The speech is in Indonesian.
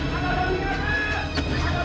malah dapet mpinggir pet